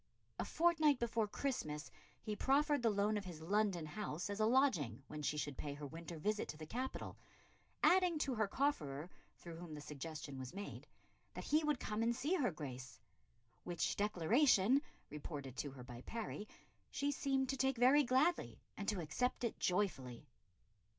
A fortnight before Christmas he proffered the loan of his London house as a lodging when she should pay her winter visit to the capital, adding to her cofferer, through whom the suggestion was made, that he would come and see her Grace; "which declaration," reported to her by Parry, "she seemed to take very gladly and to accept it joyfully."